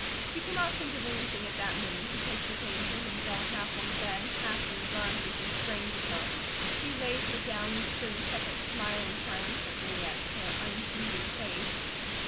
She could not think of anything at that minute, because she fainted, and fell half on the bed, half in his arms as he sprang to her. He laid her down, and stood a second smiling triumphantly at her unheeding face.